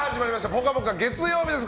「ぽかぽか」月曜日です。